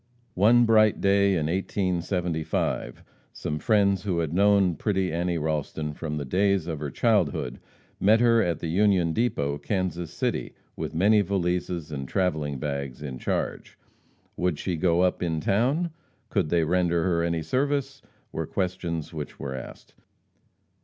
One bright day, in 1875, some friends who had known pretty Annie Ralston from the days of her childhood, met her at the Union Depot, Kansas City, with many valises and travelling bags in charge. "Would she go up in town? Could they render her any service?" were questions which were asked.